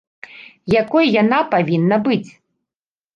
Якой яна павінна быць?